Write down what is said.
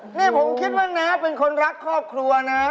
นี่ผมคิดว่าน้าเป็นคนรักครอบครัวนะ